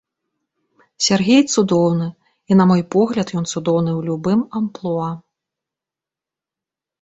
Сяргей цудоўны, і на мой погляд ён цудоўны у любым амплуа.